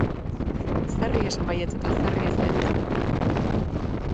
Zeri esan baietz eta zeri ezetz?